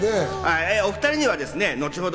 お２人には後ほど